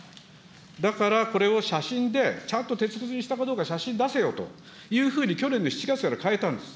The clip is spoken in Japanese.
だから、これを写真でちゃんと鉄くずにしたかどうかちゃんと写真出せよというふうに去年の７月から変えたんです。